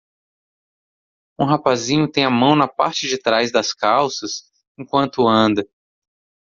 Um rapazinho tem a mão na parte de trás das calças enquanto anda.